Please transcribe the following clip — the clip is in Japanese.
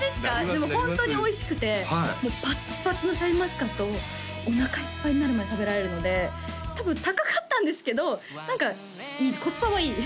でもホントにおいしくてもうパッツパツのシャインマスカットをおなかいっぱいになるまで食べられるので多分高かったんですけど何かコスパはいい